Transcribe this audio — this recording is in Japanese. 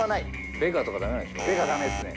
ベガだめですね。